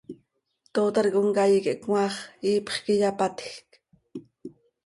Tootar comcaii quih cmaax iipx quih iyapatjc.